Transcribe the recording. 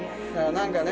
何かね